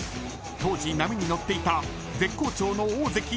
［当時波に乗っていた絶好調の］